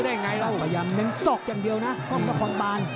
พยายามเน้นศอกอย่างเดียวนะก้องนครบาล